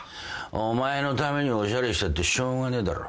お前のためにおしゃれしたってしょうがねえだろ。